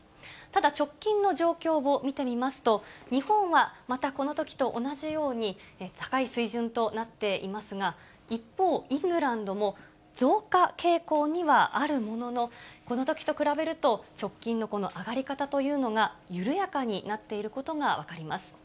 ただ、直近の状況を見てみますと、日本は、またこのときと同じように高い水準となっていますが、一方、イングランドも増加傾向にはあるものの、このときと比べると、直近のこの上がり方というのが、緩やかになっていることが分かります。